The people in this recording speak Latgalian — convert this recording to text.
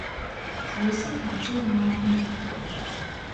Vysi kači ir malni.